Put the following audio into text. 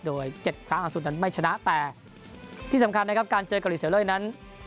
โดย๗ครั้งสุดนั้นไม่ชนะแต่ที่สำคัญนะครับการเจอเกาหลีเสียเล่ยนั้น